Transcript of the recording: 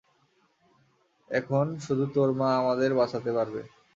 এখন শুধু তোর মা আমাদের বাঁচাতে পারবে।